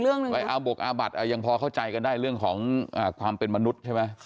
ไปอาบกอาบัดยังพอเข้าใจกันได้เรื่องของความเป็นมนุษย์ใช่ไหม